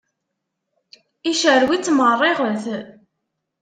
Icerrew-itt meṛṛiɣet.